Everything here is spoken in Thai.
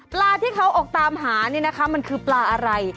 ปลาที่เขาออกตามหานี่นะคะมันคือปลาอะไร